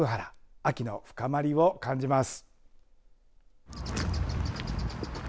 秋の深まりを感じます。